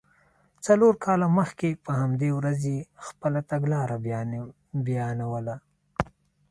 څلور کاله مخکې په همدې ورځ یې خپله تګلاره بیانوله.